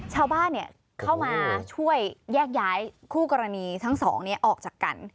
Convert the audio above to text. ชาวบ้านเข้ามาช่วยแยกย้ายคู่กรณีทั้งสองออกจากกัน